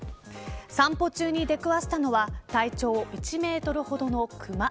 散歩中に出くわしたのは体長１メートルほどの熊。